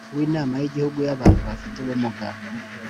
Uw inama y igihugu y abantu bafite ubumuga